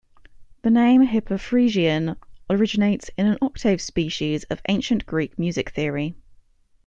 The name Hypophrygian originates in an octave species of ancient Greek music theory.